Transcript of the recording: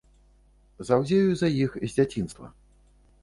Заўзею за іх з дзяцінства.